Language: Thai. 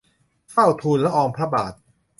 เฝ้าทูลละอองพระบาท